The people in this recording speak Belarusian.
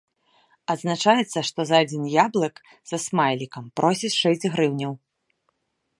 Адзначаецца, што за адзін яблык са смайлікам просяць шэсць грыўняў.